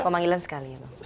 pemanggilan sekali ya bang